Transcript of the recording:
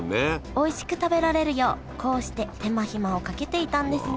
おいしく食べられるようこうして手間暇をかけていたんですね